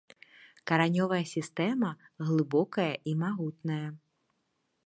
Каранёвая сістэма глыбокая і магутная.